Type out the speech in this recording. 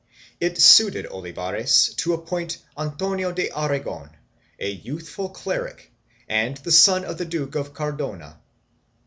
It suited Olivares to appoint Antonio de Aragon, a youthful cleric and the second son of the Duke of Cardona.